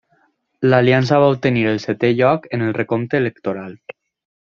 L'aliança va obtenir el setè lloc en el recompte electoral.